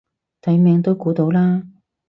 睇名都估到啦